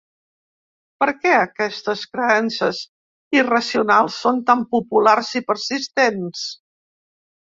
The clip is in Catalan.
Per què aquestes creences irracionals són tan populars i persistents?